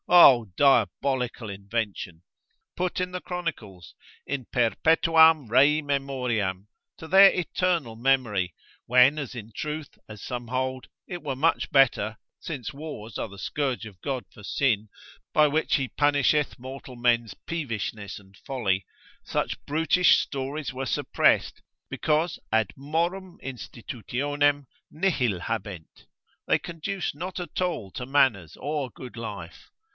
(O diabolical invention!) put in the Chronicles, in perpetuam rei memoriam, to their eternal memory: when as in truth, as some hold, it were much better (since wars are the scourge of God for sin, by which he punisheth mortal men's peevishness and folly) such brutish stories were suppressed, because ad morum institutionem nihil habent, they conduce not at all to manners, or good life.